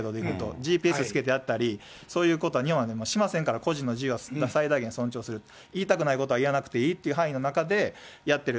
ＧＰＳつけてやったり、そういうことは日本ではしませんから、個人の自由は最大限尊重すると、言いたくないことは言わなくていいという範囲の中でやってる。